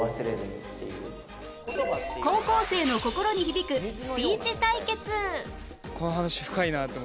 高校生の心に響くスピーチ対決